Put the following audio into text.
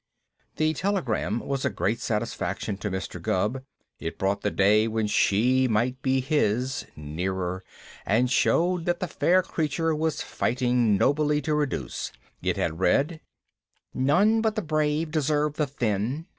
This telegram was a great satisfaction to Mr. Gubb. It brought the day when she might be his nearer, and showed that the fair creature was fighting nobly to reduce. It had read: None but the brave deserve the thin.